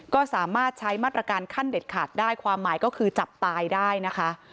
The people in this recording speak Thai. ก็สามารถใช้มาตรการขั้นเด็ดขาดได้ความหมายก็คือจับตายได้นะคะ